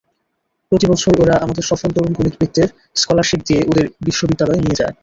প্রতিবছর ওরা আমাদের সফল তরুণ গণিতবিদদের স্কলারশিপ দিয়ে ওদের বিশ্ববিদ্যালয়ে নিয়ে যায়।